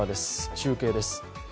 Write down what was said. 中継です。